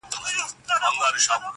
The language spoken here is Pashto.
خو لستوڼي مو تل ډک وي له مارانو؛